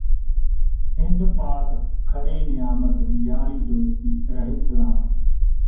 ਹਿੰਦ ਪਾਕਿ ਖਰੀ ਨਿਆਮਤ ਯਾਰੀ ਦੋਸਤੀ ਰਹੇ ਸਲਾਮਤ